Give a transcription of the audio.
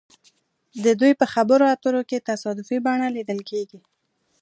د دوی په خبرو اترو کې تصادفي بڼه لیدل کیږي